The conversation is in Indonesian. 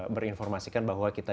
berinformasikan bahwa kita